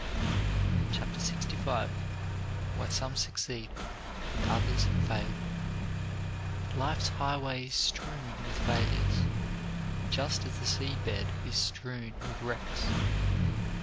CHAPTER LXV WHY SOME SUCCEED AND OTHERS FAIL Life's highway is strewn with failures, just as the sea bed is strewn with wrecks.